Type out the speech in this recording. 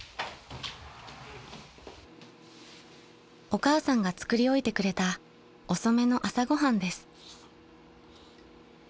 ［お母さんが作り置いてくれた遅めの朝ご飯です］